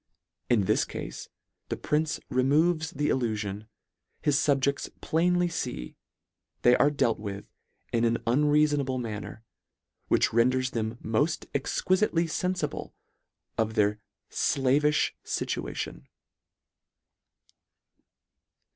In this cafe the prince removes the illuiion. His fubjedls plainly fee they are dealt with in an unreafonable manner, which renders them moil exquifitely fenfible of their flavifh fituation."